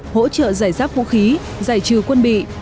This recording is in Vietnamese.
hỗ trợ giải giáp vũ khí giải trừ quân bị